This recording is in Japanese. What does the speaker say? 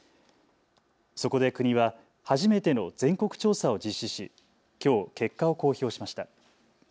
そこで国は初めての全国調査を実施しきょう結果を公表しました。